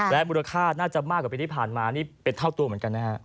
และมูลค่าน่าจะมากกว่าปีที่ผ่านมานี่เป็นเท่าตัวเหมือนกันนะฮะ